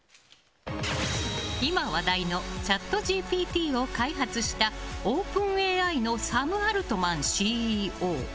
今、話題のチャットＧＰＴを開発したオープンＡＩのサム・アルトマンＣＥＯ。